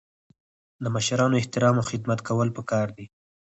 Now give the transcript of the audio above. د مشرانو احترام او خدمت کول پکار دي.